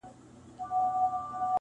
• کله لس کله پنځلس کله شل وي -